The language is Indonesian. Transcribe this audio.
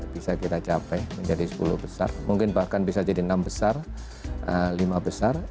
bisa kita capai menjadi sepuluh besar mungkin bahkan bisa jadi enam besar lima besar